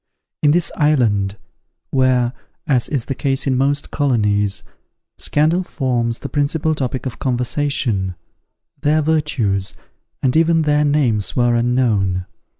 In this island, where, as is the case in most colonies, scandal forms the principal topic of conversation, their virtues, and even their names were unknown.